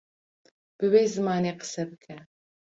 bi wê zimanê qise bike